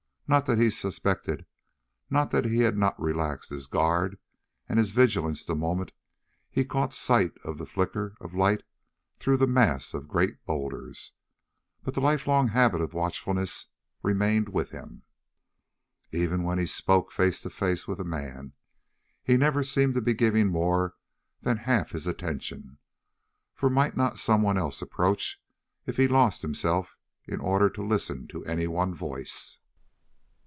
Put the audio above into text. Not that he suspected, not that he had not relaxed his guard and his vigilance the moment he caught sight of the flicker of light through the mass of great boulders, but the lifelong habit of watchfulness remained with him. Even when he spoke face to face with a man, he never seemed to be giving more than half his attention, for might not someone else approach if he lost himself in order to listen to any one voice?